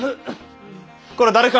これ誰か！